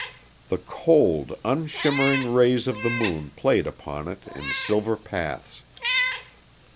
The cold, unshimmering rays of the moon played upon it in silver paths.